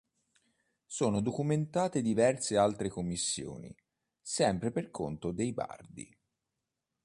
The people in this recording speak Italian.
Sono documentate diverse altre commissioni, sempre per conto dei Bardi.